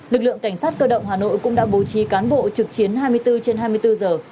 lực lượng cảnh sát cơ động hà nội cũng đã bố trí cán bộ trực chiến hai mươi bốn trên hai mươi bốn giờ